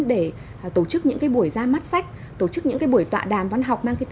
để tổ chức những buổi ra mắt sách tổ chức những buổi tọa đàm văn học